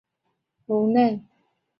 乐谱手稿现存于波兰克拉科夫内。